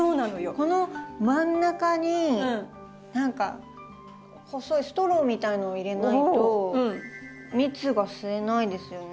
この真ん中に何か細いストローみたいのを入れないと蜜が吸えないですよね。